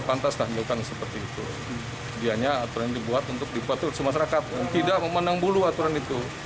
pantas tanyakan seperti itu dianyakan dibuat untuk dipatuhi masyarakat tidak memenang bulu aturan itu